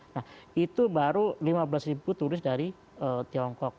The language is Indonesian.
nah itu baru lima belas ribu turis dari tiongkok